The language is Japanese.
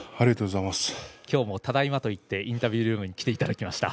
今日もただいまと言ってインタビュールームに来ていただきました。